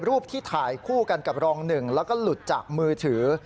รูปที่ถ่ายคู่กันกับรองหนึ่งแล้วก็หลุดจากมือถือ